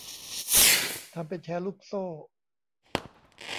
ทำเป็นแชร์ลูกโซ่